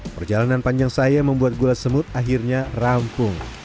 perjalanan panjang saya membuat gula semut akhirnya rampung